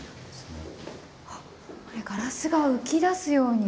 あっこれガラスが浮き出すように。